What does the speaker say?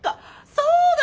そうだ！